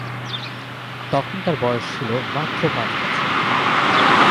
তখন তার বয়স ছিল মাত্র পাঁচ বছর।